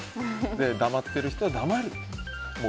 黙ってる人は黙る。